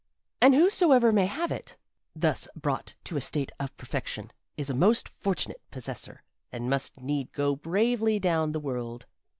And whosoever may have it, thus brought to a state of perfection, is a most fortunate possessor and must need go bravely down the world.